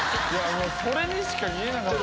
それにしか見えなかった。